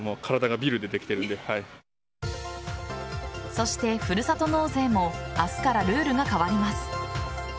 そして、ふるさと納税も明日からルールが変わります。